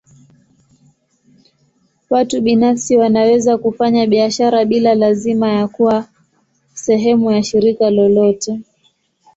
Watu binafsi wanaweza kufanya biashara bila lazima ya kuwa sehemu ya shirika lolote.